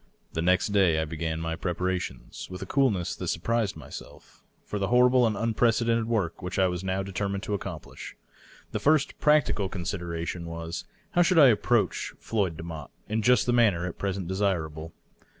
The next day I began my preparations, with a coolness that surprised myself, for the horrible and unprecedented work which I had now de termined to accomplish. The first practical consideration was, how should I approach Floyd Demotte in just the manner at present desira ble?